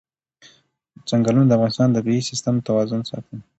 چنګلونه د افغانستان د طبعي سیسټم توازن ساتي.